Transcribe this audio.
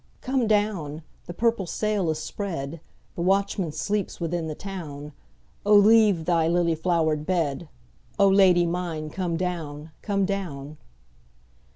Come down! the purple sail is spread, The watchman sleeps within the town,O leave thy lily flowered bed,O Lady mine come down, come down!